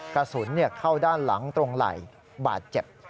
กระสุนเข้าด้านหลังตรงไหล่บาดเจ็บ